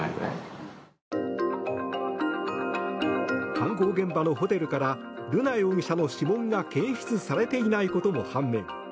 犯行現場のホテルから瑠奈容疑者の指紋が検出されていないことも判明。